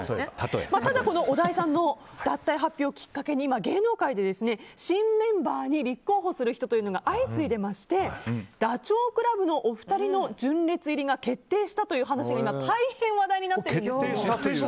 ただ、小田井さんの脱退発表をきっかけに芸能界で新メンバーに立候補する人が相次いでいましてダチョウ倶楽部のお二人の純烈入りが決定したという話が大変、話題になっているんです。